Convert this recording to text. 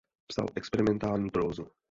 Psal experimentální prózu.